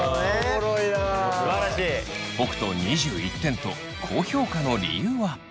北斗２１点と高評価の理由は？